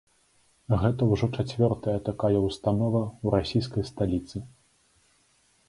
Гэта ўжо чацвёртая такая ўстанова ў расійскай сталіцы.